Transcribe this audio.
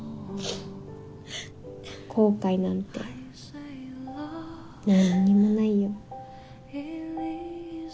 後悔なんて何にもないよ。